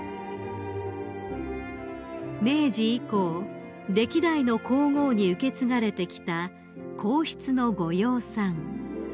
［明治以降歴代の皇后に受け継がれてきた皇室のご養蚕］